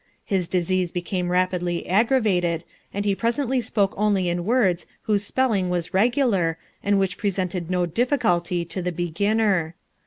His disease became rapidly aggravated, and he presently spoke only in words whose spelling was regular and which presented no difficulty to the beginner.